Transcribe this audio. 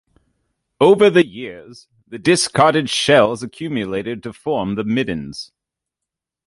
Over the years, the discarded shells accumulated to form the middens.